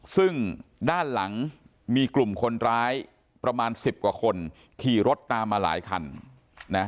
ซึ่งด้านหลังมีกลุ่มคนร้ายประมาณสิบกว่าคนขี่รถตามมาหลายคันนะ